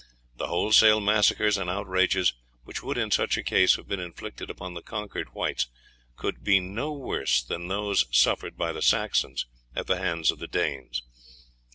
The wholesale massacres and outrages which would in such a case have been inflicted upon the conquered whites could be no worse than those suffered by the Saxons at the hands of the Danes.